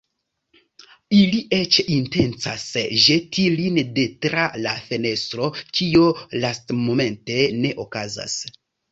Ili eĉ intencas ĵeti lin de tra la fenestro, kio lastmomente ne okazas.